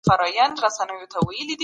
هغه خلګ چې بیکاره دي مرستې ته اړتیا لري.